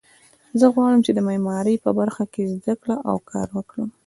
زه غواړم چې د معماري په برخه کې زده کړه او کار وکړم